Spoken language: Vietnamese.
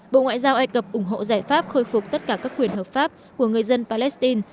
bộ ngoại giao ai cập ủng hộ giải pháp khôi phục tất cả các quyền hợp pháp của người dân palestine